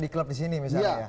di klub di sini misalnya ya